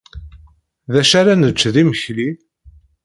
D acu ara nečč d imekli?